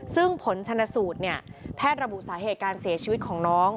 ซึ่งผลชนสูตรเนี่ยแพทย์ระบุสาเหตุการเสียชีวิตของน้อง